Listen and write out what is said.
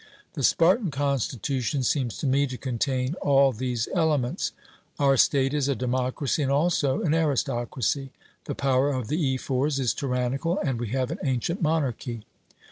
'The Spartan constitution seems to me to contain all these elements. Our state is a democracy and also an aristocracy; the power of the Ephors is tyrannical, and we have an ancient monarchy.'